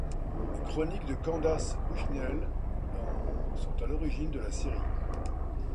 Les chroniques de Candace Bushnell dans ' sont à l'origine de la série '.